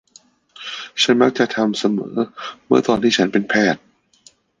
ฉันมักจะทำเสมอเมื่อตอนฉันเป็นแพทย์